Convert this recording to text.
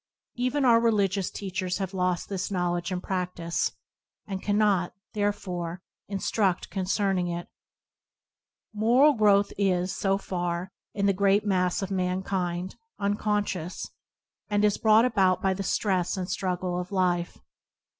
Even our religious teachers have lost this knowledge and practice, and cannot, therefore, instruct concerning it. Moral growth is, so far, in the great mass of mankind, unconscious, and is brought about by the stress and struggle of life.